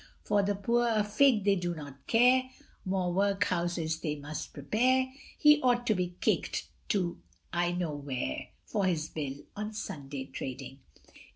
For the poor a fig they do not care, More workhouses they must prepare, He ought to be kicked to I know where, For his Bill on Sunday trading.